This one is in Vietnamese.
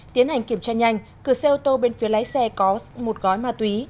tiến hành kiểm tra nhanh cửa xe ô tô bên phía lái xe có một gói ma túy